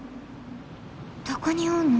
どこにおんの？